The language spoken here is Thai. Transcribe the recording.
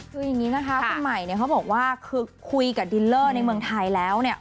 คืออย่างนี้นะคะคุณใหม่เนี่ยเขาบอกว่าคือคุยกับดินเลอร์ในเมืองไทยแล้วเนี่ย